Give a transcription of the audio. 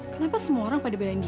kenapa semua orang pada bedain